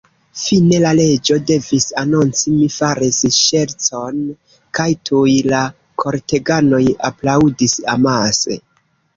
Fine la Reĝo devis anonci "Mi faris ŝercon," kajtuj la korteganoj aplaŭdis amase.